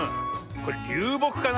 これりゅうぼくかな。